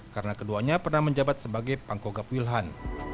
karena keduanya pernah menjabat sebagai pangkogap wilhan